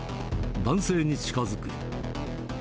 男性に近づく。